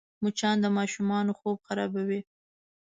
مچان د ماشومانو خوب خرابوي